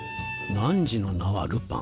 「汝の名はルパン！